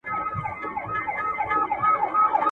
د ګاونډي د کور د څراغ رڼا په مخامخ دېوال باندې پرته وه.